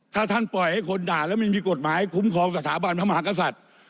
ถ้าท่านปล่อยให้คนด่าแล้วไม่มีกฎหมายคุ้มครองสถาบันพระมหากษัตริย์